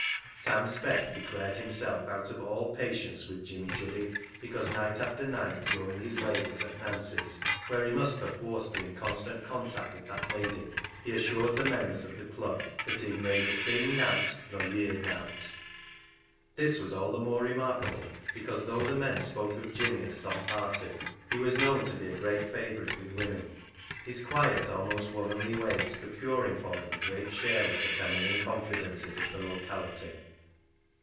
Sam Speck declared himself out of all ♦' HANGING HIS HAT UP" 73 patience with Jimmy Juddy, because night after night during his labours at Nancy's, where he must perforce be in constant contact with that lady, he assured the members of the club that he'd " nayther seen nowt nor yerd nowt." This was all the more remarkable because, though the men spoke of Jimmy as soft hearted, he was known to be a great favourite with women : his quiet, almost womanly, ways procuring for him a great share of the feminine confidences of the locality.